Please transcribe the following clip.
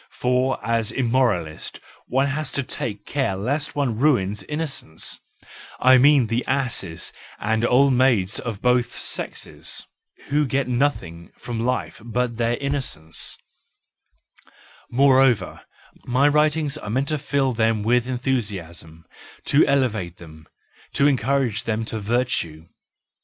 For as immoralist, one has to take care lest one ruins innocence, I mean the asses and old maids of both sexes, who get nothing from life but their in¬ nocence ; moreover my writings are meant to fill them with enthusiasm, to elevate them, to encourage them in virtue.